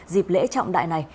dịp lễ trọng đại này